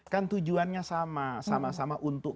kan tujuannya sama sama sama untuk